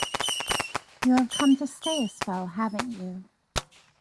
You have come to stay a spell, haven't you?